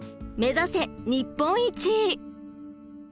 目指せ日本一！